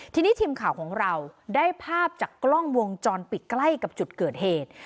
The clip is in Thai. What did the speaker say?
ทีนี้ทีมข่าวของเราได้ภาพจากกล้องวงจรปิดใกล้กับจุดเกิดเหตุ